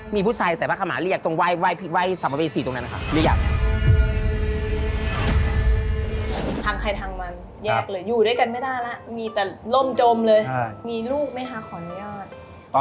มีผู้ชายใส่บัขมาเรียกตรงไหวร์ไหวภิกว่าสำหรับใบสี่ตรงนั้นอะค่ะ